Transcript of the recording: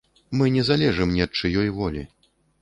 Мы не залежым ні ад чыёй волі.